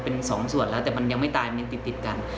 เป็นสองส่วนแล้วแต่มันยังไม่ตายมันติดกัน